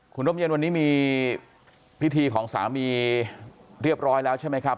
คุณร่มเย็นวันนี้มีพิธีของสามีเรียบร้อยแล้วใช่ไหมครับ